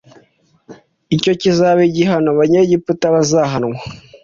icyo kizaba igihano abanyegiputa bazahanwa